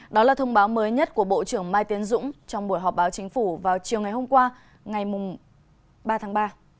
đó là thông báo mới nhất của bộ trưởng mai tiến dũng trong buổi họp báo chính phủ vào chiều ngày hôm qua ngày ba tháng ba